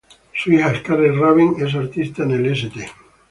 Su hija Scarlett Raven es artista en el St.